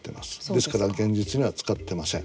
ですから現実には使っていません。